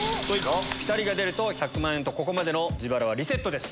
ピタリが出ると１００万円とここまでの自腹はリセットです。